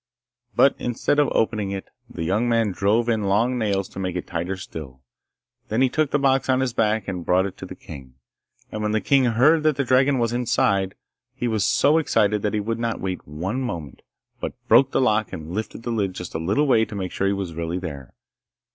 But instead of opening it, the young man drove in long nails to make it tighter still; then he took the box on his back and brought it to the king. And when the king heard that the dragon was inside, he was so excited that he would not wait one moment, but broke the lock and lifted the lid just a little way to make sure he was really there.